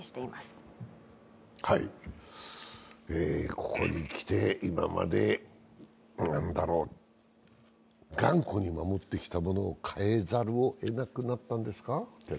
ここにきて今まで頑固に守ってきたものを変えざるをえなくなったんですか。